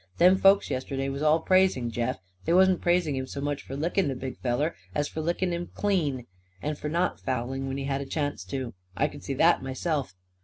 Them folks yesterday was all praising Jeff. They wasn't praising him so much for licking the big feller as for licking him, clean; and for not fouling when he had a chance to. I c'd see that myself.